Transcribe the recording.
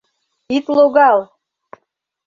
— Ит логал!